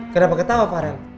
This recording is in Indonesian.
kenapa ketawa farel